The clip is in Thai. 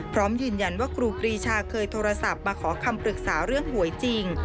พร้อมยืนยันว่าครูปรีชาเคยโทรศัพท์มาขอคำปรึกษาเรื่องหวยจริง